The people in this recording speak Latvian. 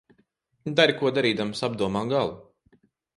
Dari ko darīdams, apdomā galu.